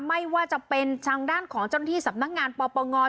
ไม่ว่าจะเป็นทางด้านของเจ้าหน้าที่สำนักงานปปง